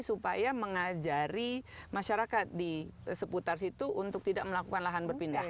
supaya mengajari masyarakat di seputar situ untuk tidak melakukan lahan berpindah